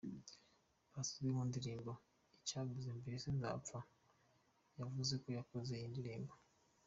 Paccy uzwi mu ndirimbo Icyabuze, Mbese nzapfayavuze ko yakoze iyi ndirimbo.